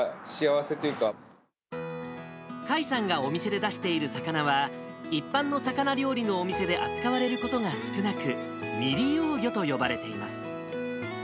甲斐さんがお店で出している魚は、一般の魚料理のお店で扱われることが少なく、未利用魚と呼ばれています。